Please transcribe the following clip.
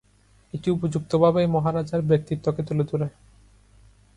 এটি উপযুক্তভাবেই মহারাজার ব্যক্তিত্বকে তুলে ধরে।